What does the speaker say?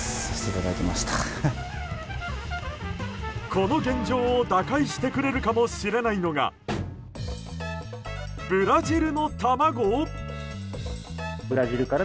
この現状を打開してくれるかもしれないのがブラジルの卵？